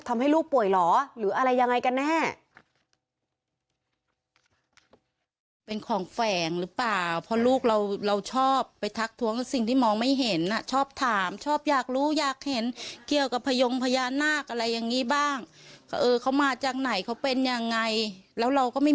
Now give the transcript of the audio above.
ทำให้ลูกป่วยเหรอหรืออะไรยังไงกันแน่